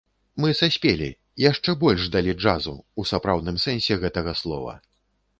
Мы саспелі, яшчэ больш далі джазу, у сапраўдным сэнсе гэтага слова.